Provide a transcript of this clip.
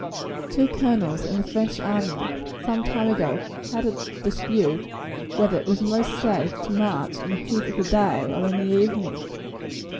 Two colonels in the French army, sometime ago, had a dispute whether it was most safe to march in the heat of the day, or in the evening.